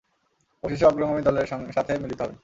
অবশেষে অগ্রগামী দলের সাথে মিলিত হবেন।